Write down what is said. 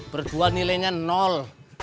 berdua nilainya nol